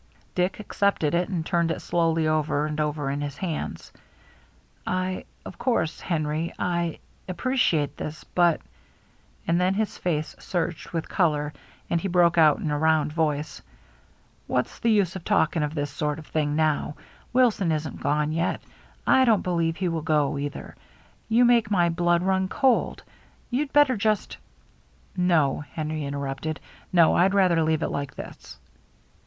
Dick accepted it and turned it slowly over and over in his hands. "I — of course, Henry — I appreciate this, but —" and then his face surged with color, and he broke out in a round voice :" What's the use of talking of this sort of thing now ! Wilson isn't gone yet. I don't believe he will go either. You make my blood run cold ! You'd better just —"" No," Henry interrupted. " No, I'd rather leave it like this."